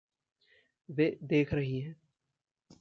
वे देख रहीं हैं।